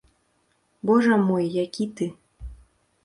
Божа мой, які ты.